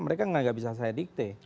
mereka nggak bisa saya dikte